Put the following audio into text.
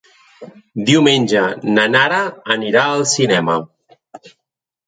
Diumenge na Nara anirà al cinema.